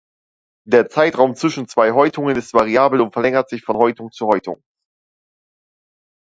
Der Zeitraum zwischen zwei Häutungen ist variabel und verlängert sich von Häutung zu Häutung.